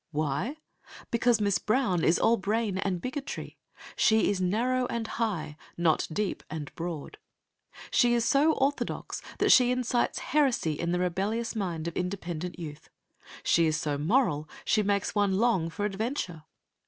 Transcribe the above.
Why? because Miss Brown is all brain and bigotry. She is narrow and high, not deep and broad. She is so orthodox that she incites heresy in the rebellious mind of independent youth. She is so moral she makes one long for adventure.